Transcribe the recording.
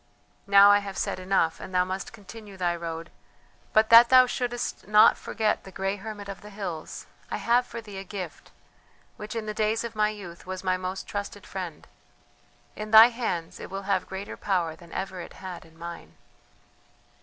Now I have said enough, and thou must continue thy road; but that thou shouldst not forget the grey hermit of the hills, I have for thee a gift, which, in the days of my youth, was my most trusted friend. In thy hands it will have greater power than ever it had in mine."